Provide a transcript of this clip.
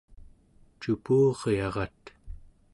cupu'uryarat